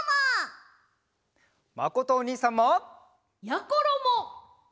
まことおにいさんも！やころも！